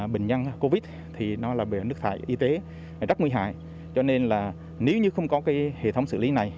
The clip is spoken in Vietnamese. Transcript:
bệnh nhân covid thì nó là nước thải y tế rất nguy hại cho nên là nếu như không có hệ thống xử lý này